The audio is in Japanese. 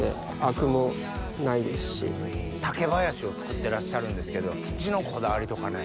竹林を造ってらっしゃるんですけど土のこだわりとかね。